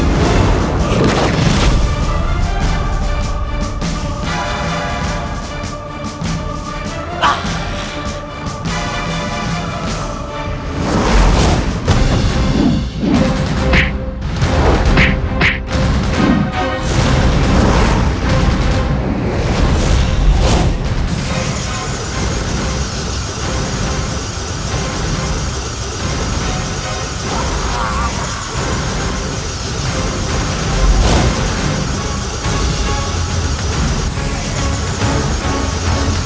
kediasi menjadi orang jahat